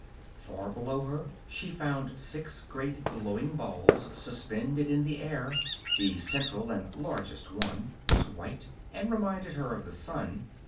Far below her she found six great glowing balls suspended in the air. The central and largest one was white, and reminded her of the sun.